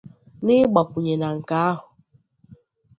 N'ịgbakwụnye na nke ahụ